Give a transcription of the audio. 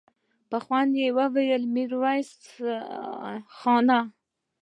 په خوند يې وويل: ميرويس خانه!